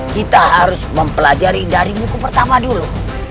kita harus mempelajari dari buku pertama dulu